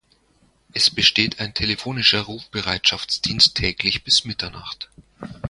Es besteht ein telefonischer Rufbereitschaftsdienst täglich bis Mitternacht.